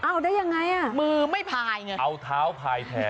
เอาได้ยังไงอ่ะมือไม่พายไงเอาเท้าพายแทน